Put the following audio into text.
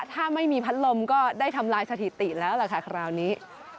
ถ้าไม่มีพัดลมก็ได้ทำลายสถิติแล้วล่ะค่ะคราวนี้